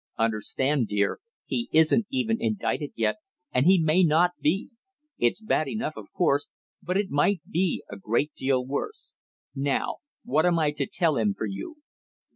"Understand, dear, he isn't even indicted yet and he may not be! It's bad enough, of course, but it might be a great deal worse. Now what am I to tell him for you?"